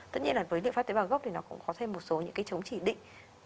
tất nhiên là với liệu pháp tế bào gốc thì nó cũng có thêm một số những cái chống chỉ định